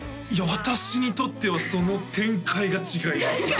私にとってはその展開が違います